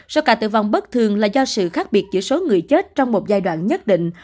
số ca tử vong bất thường là do sự khác biệt giữa số người chết trong một giai đoạn nhất định